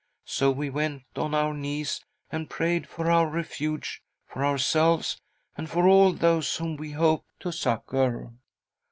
So we went on our knees and prayed for our Refuge, for ourselves, and for all those whom we hoped to succour.